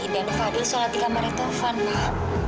dan fadil sholat di kamarnya taufan pak